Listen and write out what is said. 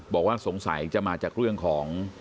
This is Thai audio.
บอกว่าสงสัยจะมาจากเรื่องของ